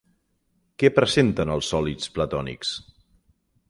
Què presenten els sòlids platònics?